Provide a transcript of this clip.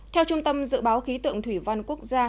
theo trung tâm dự báo khí tượng thủy văn quốc gia